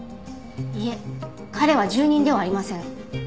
いえ彼は住人ではありません。